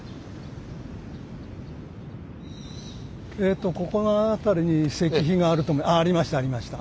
えとここの辺りに石碑があるとありましたありました。